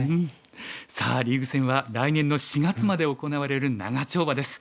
さあリーグ戦は来年の４月まで行われる長丁場です。